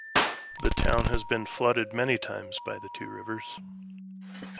The town has been flooded many times by the two rivers.